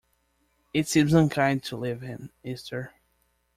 It seems unkind to leave him, Esther.